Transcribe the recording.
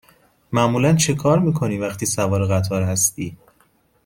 معمولا چکار می کنی وقتی سوار قطار هستی؟